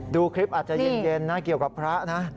ดูคลิปอาจจะเย็นนะเกี่ยวกับพระนะ